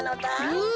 うん。